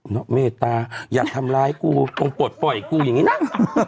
น้อเมตาอย่าทำร้ายกูป่นปดปลอดกูอย่างนี้น้า